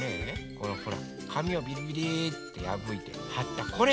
このほらかみをびりびりってやぶいてはったこれ。